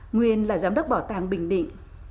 nguyên là giám đốc bảo tàng bình định